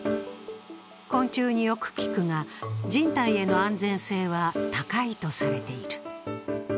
昆虫によく効くが人体への安全性は高いとされている。